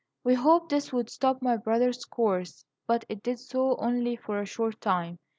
"We hoped this would stop my brother's course, but it did so only for a short time.